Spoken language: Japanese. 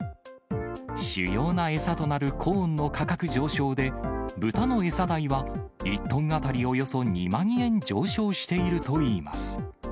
主要な餌となるコーンの価格上昇で、豚の餌代は、１トン当たりおよそ２万円上昇しているといいます。